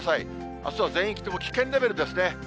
あすは全域とも危険レベルですね。